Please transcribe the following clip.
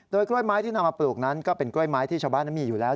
กล้วยไม้ที่นำมาปลูกนั้นก็เป็นกล้วยไม้ที่ชาวบ้านนั้นมีอยู่แล้ว